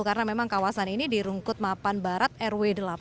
karena memang kawasan ini di rungkut mapan barat rw delapan